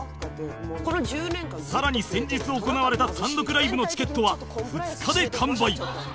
更に先日行われた単独ライブのチケットは２日で完売